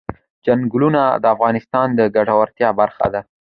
چنګلونه د افغانانو د ګټورتیا برخه ده.